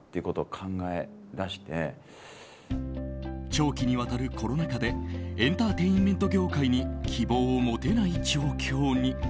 長期にわたるコロナ禍でエンターテインメント業界に希望を持てない状況に。